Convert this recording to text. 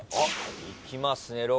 いきますね。